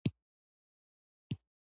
د خرما ګل څنګه القاح کیږي؟